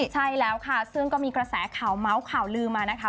ใช่แล้วค่ะซึ่งก็มีกระแสข่าวเมาส์ข่าวลืมมานะคะ